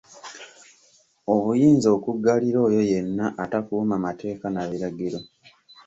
Obuyinza okuggalira oyo yenna atakuuma mateeka na biragiro.